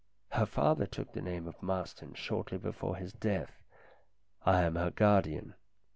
Her father took the name of Marston shortly before his death. I am her guardian.